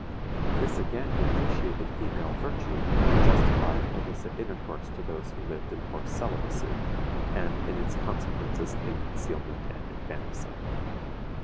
This again depreciated female virtue, justifying illicit intercourse to those who lived in forced celibacy, and in its consequences came concealment and infanticide.